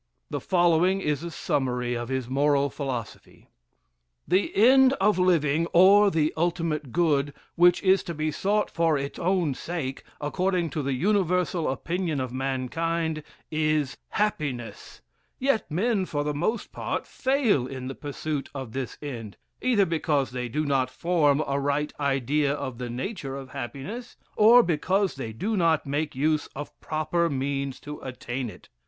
The following is a summary of his Moral Philosophy: "The end of living, or the ultimate good, which is to be sought for its own sake, according to the universal opinion of mankind, is happiness; yet men, for the most part, fail in the pursuit of this end, either because they do not form a right idea of the nature of happiness, or because they do not make use of proper means to attain it.